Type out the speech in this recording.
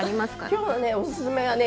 今日のおすすめはねえ